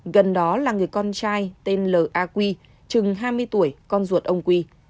gần đó là người con trai tên l a quy trừng hai mươi tuổi con ruột ông quy